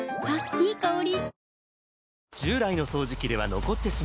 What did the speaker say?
いい香り。